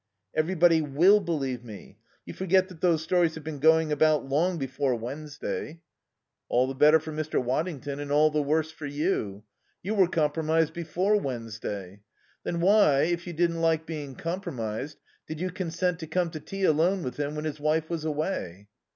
"Everybody will believe me. You forget that those stories have been going about long before Wednesday." "All the better for Mr. Waddington and all the worse for you. You were compromised before Wednesday. Then why, if you didn't like being compromised, did you consent to come to tea alone with him when his wife was away?"